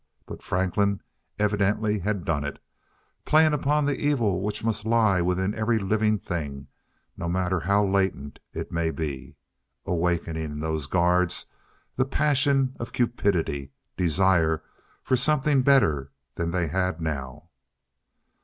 But Franklin evidently had done it playing upon the evil which must lie within every living thing, no matter how latent it may be. Awakening in those guards the passion of cupidity desire for something better than they had now.